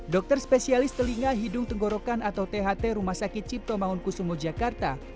dokter spesialis telinga hidung tenggorokan atau tht rumah sakit cipto mangunkusumo jakarta